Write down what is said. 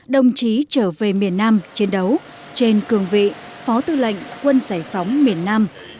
đồng chí trở về miền nam chiến đấu trên cường vị phó tư lệnh quân giải phóng miền nam